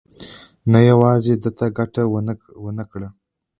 نه یوازې ده ته ګټه ونه کړه.